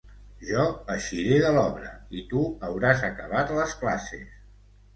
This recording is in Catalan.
Jo eixiré de l’obra i tu hauràs acabat les classes...